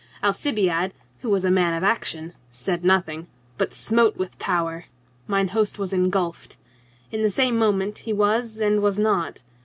Alcibiade, who was a man of action, said nothing, but smote with power. Mine host was engulfed. In the same moment he was and was not.